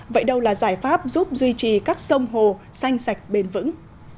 vậy đâu là giải pháp giúp duy trì các sông hồ xanh sạch bền vững